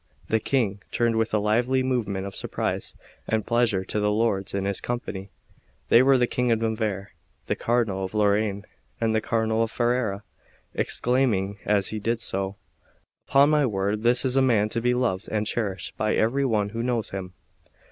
The King turned with a lively movement of surprise and pleasure to the lords in his company they were the King of Navarre, the Cardinal of Lorraine, and the Cardinal of Ferrara exclaiming as he did so: "Upon my word, this is a man to be loved and cherished by every one who knows him."